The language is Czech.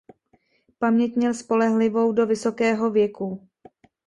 Paměť měl spolehlivou do vysokého věku.